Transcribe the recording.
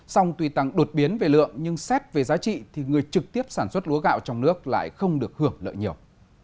song tuy tăng đột biến về lượng nhưng xét về giá trị thì người trực tiếp sản xuất lúa gạo trong nước lại không được hưởng lợi nhiều